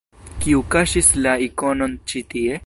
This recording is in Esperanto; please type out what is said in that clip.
Kiu kaŝis la ikonon ĉi tie?